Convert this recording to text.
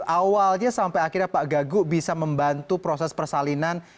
awalnya sampai akhirnya pak gaguk bisa membantu proses persalinan